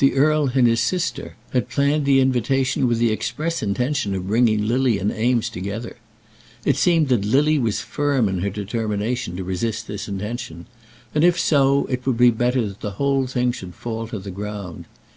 The earl and his sister had planned the invitation with the express intention of bringing Lily and Eames together. It seemed that Lily was firm in her determination to resist this intention; and, if so, it would be better that the whole thing should fall to the ground.